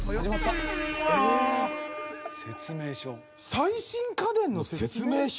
「最新家電の説明書」？